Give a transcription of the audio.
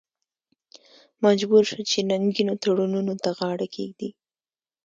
مجبور شو چې ننګینو تړونونو ته غاړه کېږدي.